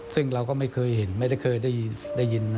ซึ่งเราก็ไม่เคยเห็นไม่ได้เคยได้ยินนะ